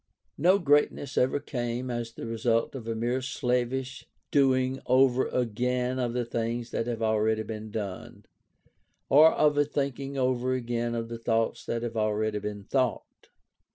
No greatness ever came as the result of a mere slavish doing over again of the things that have already been done, or of a thinking over again of the thoughts that have already been thought.